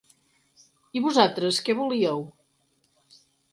I vosaltres, què volíeu?